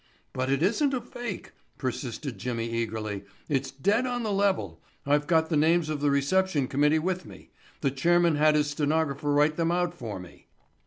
"But it isn't a fake," persisted Jimmy eagerly, "it's dead on the level. I've got the names of the reception committee with me. The chairman had his stenographer write them out for me."